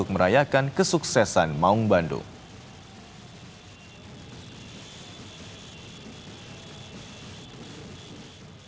persib menang dengan skor tiga satu